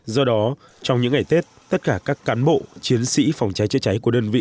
do đó trong những ngày tết tất cả các cán bộ chiến sĩ phòng cháy chữa cháy của đơn vị